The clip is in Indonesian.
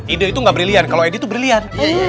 ide itu ga brilian kalo ide itu brilian